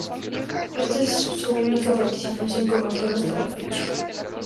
Esta es su única participación como actor hasta la fecha.